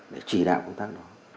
để chỉ đạo công tác đó